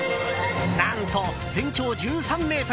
何と全長１３ｍ